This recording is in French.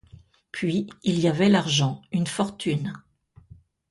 Puis, il y avait l'argent, une fortune.